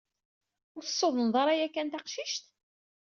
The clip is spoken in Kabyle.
Ur tessudneḍ ara yakan taqcict?